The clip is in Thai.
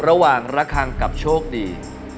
ระหว่างระคังกับโชคดี